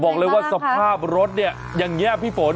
บอกเลยว่าสภาพรถเนี่ยอย่างนี้พี่ฝน